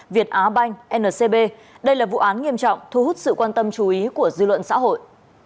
việt á banh ncb đây là vụ án nghiêm trọng thu hút sự quan tâm chú ý của dư luận xã hội